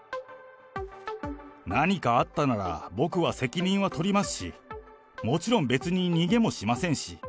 何かあったなら、僕は責任は取りますし、もちろん、別に逃げもしませんし。